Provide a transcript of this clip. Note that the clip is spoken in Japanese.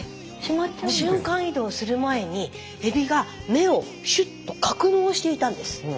瞬間移動する前にエビが目をシュッと格納していたんです。